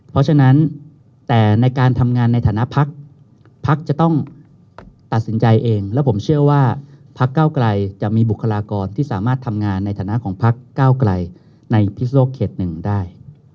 เพราะฉะนั้นแต่ในการทำงานในฐานะพักพักจะต้องตัดสินใจเองและผมเชื่อว่าพักเก้าไกลจะมีบุคลากรที่สามารถทำงานในฐานะของพักเก้าไกลในพิศโลกเขตหนึ่งได้